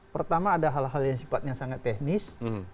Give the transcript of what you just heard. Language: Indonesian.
pertama ada hal hal yang sifatnya sangat teknis